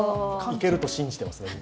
いけると信じてます。